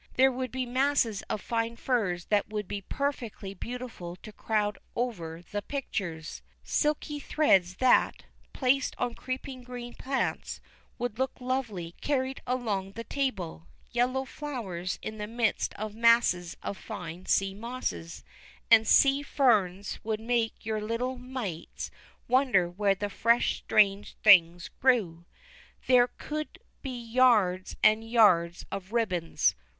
There would be masses of fine furze that would be perfectly beautiful to crowd over the pictures; silky threads that, placed on creeping green plants, would look lovely carried along the table; yellow flowers in the midst of masses of fine sea mosses, and sea ferns would make your little mates wonder where the fresh, strange things grew. And there could he yards and yards of ribbons.